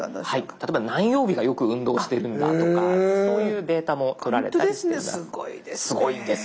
例えば何曜日がよく運動してるんだとかそういうデータもとられたりしています。